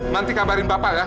nanti kabarin bapak ya